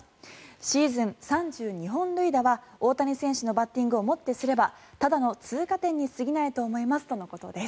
シーズン３２本塁打は大谷選手のバッティングをもってすればただの通過点に過ぎないと思いますとのことです。